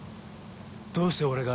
どうして俺が？